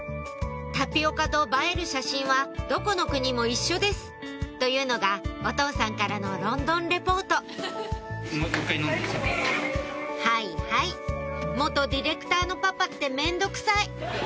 タピオカと映える写真はどこの国も一緒ですというのがお父さんからのロンドンリポート「はいはい元ディレクターのパパって面倒くさい」